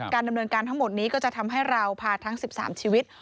ดำเนินการทั้งหมดนี้ก็จะทำให้เราพาทั้ง๑๓ชีวิต